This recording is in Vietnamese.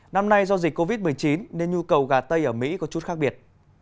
năm nay do dịch covid một mươi chín nên nhu cầu gà tây ở mỹ có chút khác biệt